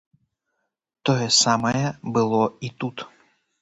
Тое самае было і тут.